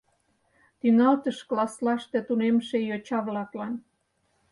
Тӱҥалтыш класслаште тунемше йоча-влаклан